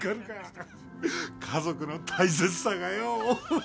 家族の大切さがよう。